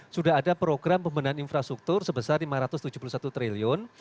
sudah ada program pembenahan infrastruktur sebesar lima ratus tujuh puluh satu triliun